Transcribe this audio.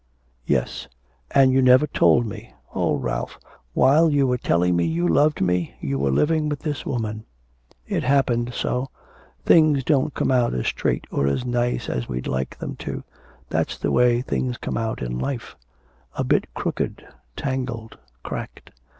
'Yes.' 'And you never told me. Oh, Ralph, while you were telling me you loved me you were living with this woman.' 'It happened so. Things don't come out as straight or as nice as we'd like them to that's the way things come out in life a bit crooked, tangled, cracked.